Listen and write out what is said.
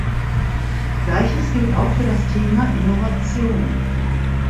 Gleiches gilt auch für das Thema Innovation.